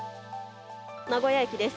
名古屋駅です。